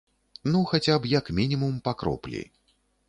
Ну, хаця б, як мінімум, па кроплі.